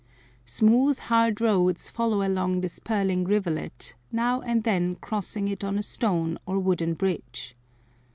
Smooth, hard roads follow along this purling rivulet, now and then crossing it on a stone or wooden bridge.